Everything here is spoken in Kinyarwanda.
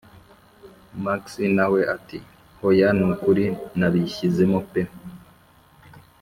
max nawe ati: hoya nukuri nabishyizemo pe,